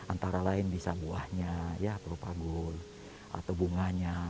antara lain bisa buahnya ya pelupa gul atau bunganya